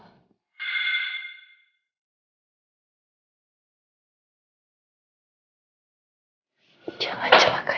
aku takut sama ma